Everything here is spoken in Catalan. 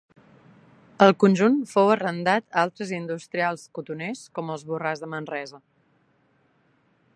El conjunt fou arrendat a altres industrials cotoners, com els Borràs de Manresa.